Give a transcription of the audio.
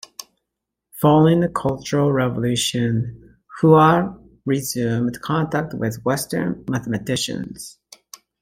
Following the Cultural Revolution, Hua resumed contact with Western mathematicians.